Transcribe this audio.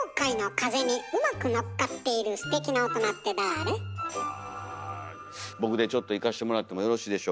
あ僕でちょっといかしてもらってもよろしいでしょうか？